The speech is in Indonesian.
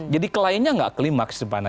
jadi kelainnya tidak klimaks sebenarnya